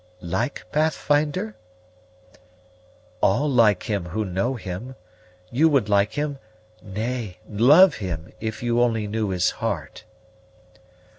"Like Pathfinder?" "All like him who know him you would like him, nay, love him, if you only knew his heart!"